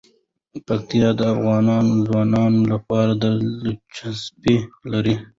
پکتیکا د افغان ځوانانو لپاره دلچسپي لري.